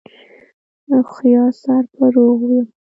د هوښيار سر به روغ و